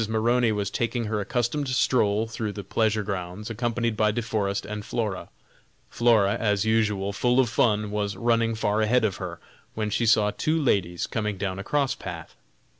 Maroney was taking her accustomed stroll through the pleasure grounds, accompanied by De Forest and Flora. Flora, as usual, full of fun, was running far ahead of her, when she saw two ladies coming down a cross path.